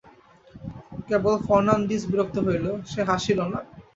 কেবল Fernandez বিরক্ত হইল, সে হাসিল না।